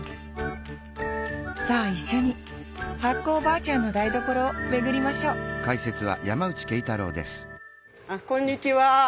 さあ一緒に発酵おばあちゃんの台所を巡りましょうこんにちは